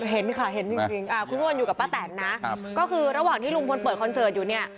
เห็นค่ะเห็นจริงคุณมนต์อยู่กับป้าแตนนะก็คือระหว่างที่ลุงพลเปิดคอนเสิร์ตอยู่เนี่ย